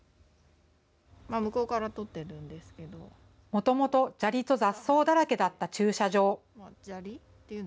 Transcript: もともと砂利と雑草だらけだった駐車場。